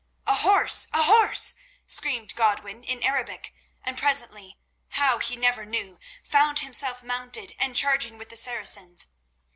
"A horse! A horse!" screamed Godwin in Arabic; and presently— how he never knew—found himself mounted and charging with the Saracens.